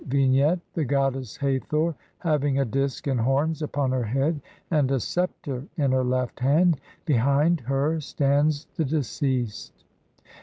] Vignette : The goddess Hathor, having a disk and horns upon her head, and a sceptre in her left hand ; behind her stands the deceased.